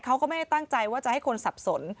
เขาก็ไม่ได้ตั้งใจว่าจะให้คนสับสน